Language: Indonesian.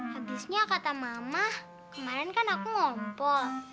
habisnya kata mama kemarin kan aku ngompol